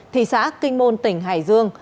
thị xã kinh môn tỉnh hải dương